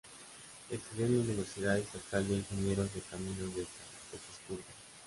Estudió en la Universidad Estatal de Ingenieros de Caminos de San Petersburgo.